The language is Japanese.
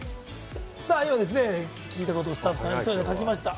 今、聞いたことをスタッフさんが書きました。